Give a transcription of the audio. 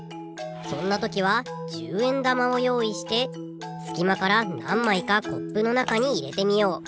そんなときは１０円玉をよういしてすきまからなんまいかコップのなかにいれてみよう。